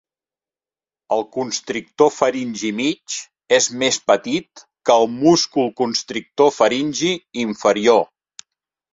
El constrictor faringi mig és més petit que el múscul constrictor faringi inferior.